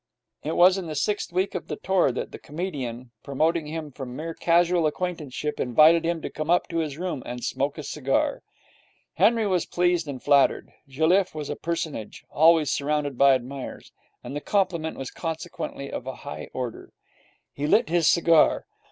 It was in the sixth week of the tour that the comedian, promoting him from mere casual acquaintanceship, invited him to come up to his room and smoke a cigar. Henry was pleased and flattered. Jelliffe was a personage, always surrounded by admirers, and the compliment was consequently of a high order. He lit his cigar.